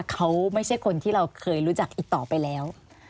เขาไม่ใช่คนที่เราเคยรู้จักอีกต่อไปแล้ว